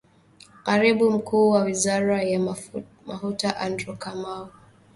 Karibu mkuu wa wizara ya mafuta Andrew Kamau